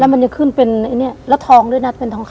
แล้วมันจะขึ้นเป็นไอ้เนี้ยแล้วทองด้วยนะเป็นทองคัน